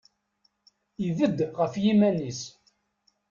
Ibedd ɣef yiman-is.